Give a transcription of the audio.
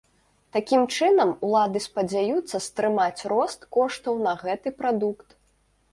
Такім чынам улады спадзяюцца стрымаць рост коштаў на гэты прадукт.